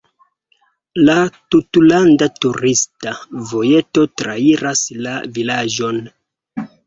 La tutlanda turista vojeto trairas la vilaĝon.